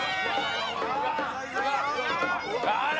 あら！